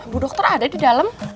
bu dokter ada di dalam